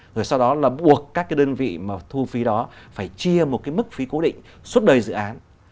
rồi sau đó là buộc các cái đơn vị mà thu phí đó phải chia một cái mức phí cố định suốt đời dự án